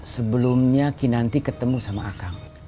sebelumnya kinanti ketemu sama akang